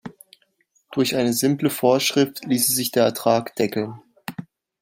Durch eine simple Vorschrift ließe sich der Ertrag deckeln.